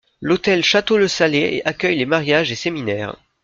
L’hôtel Château Le Sallay accueille les mariages et séminaires.